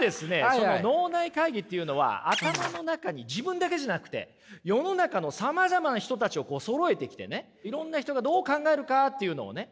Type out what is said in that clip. その脳内会議っていうのは頭の中に自分だけじゃなくて世の中のさまざまな人たちをそろえてきてねいろんな人がどう考えるかっていうのをね